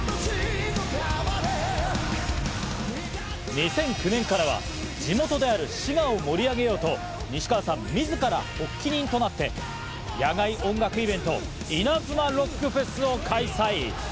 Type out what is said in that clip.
２００９年からは地元である滋賀を盛り上げようと、西川さん自ら発起人となって野外音楽イベントイナズマロックフェスを開催。